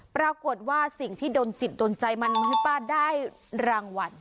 ปรากฏว่าสิ่งที่โดนจิตโดนใจมันให้ป้าได้รางวัล